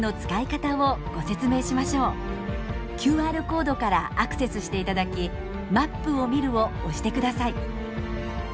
ＱＲコードからアクセスしていただき「Ｍａｐを見る」を押してください。